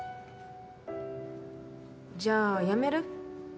じゃあ辞める？